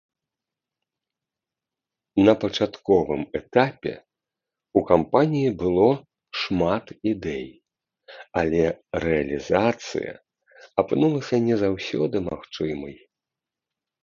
На пачатковым этапе ў кампаніі было шмат ідэй, але рэалізацыя апынулася не заўсёды магчымай.